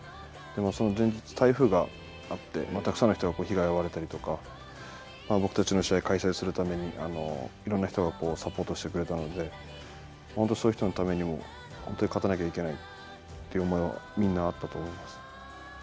その前日台風があってたくさんの人が被害に遭われたりとかまあ僕たちの試合開催するためにいろんな人がサポートしてくれたので本当そういう人のためにも本当に勝たなきゃいけないっていう思いはみんなあったと思いますね。